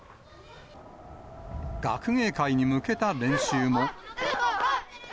学芸会に向けた練習も。